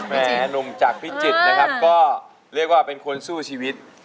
แม่หนุ่มจากพิจิตรนะครับก็เรียกว่าเป็นคนสู้ชีวิต